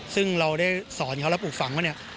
ซึ่งเราได้สอนเขาและปลูกฝังว่าเนี่ย